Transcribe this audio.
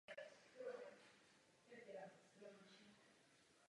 Hojně roste v Austrálii.